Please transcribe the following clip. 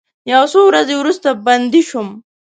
یو څو ورځې وروسته بندي شوم.